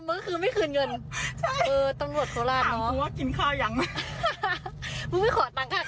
มึงไม่ขอตังค์ค่ามาด้วยหรือเปล่า